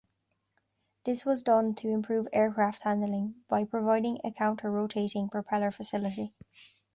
This was done to improve aircraft handling by providing a counter-rotating propeller facility.